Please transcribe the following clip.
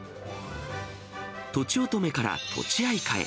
とちおとめからとちあいかへ。